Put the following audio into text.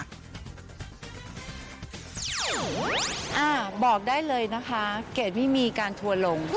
อ่าบอกได้เลยนะคะเกรดไม่มีการทัวร์ลง